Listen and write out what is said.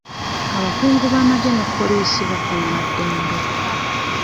Abakungu b'amagye ne poliisi bakuuma eddembe .